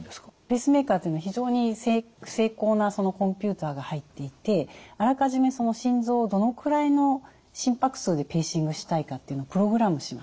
ペースメーカーというのは非常に精巧なコンピューターが入っていてあらかじめその心臓をどのくらいの心拍数でペーシングしたいかっていうのをプログラムします。